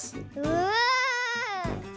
うわ。